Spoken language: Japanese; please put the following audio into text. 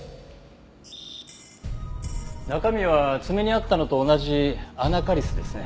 中身は爪にあったのと同じアナカリスですね。